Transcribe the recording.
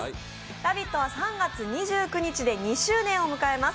「ラヴィット！」は３月２９日で２周年を迎えます。